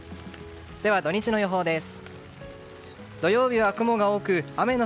では、土日の予報です。